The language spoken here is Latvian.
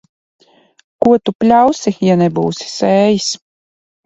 Ko tu pļausi, ja nebūsi sējis.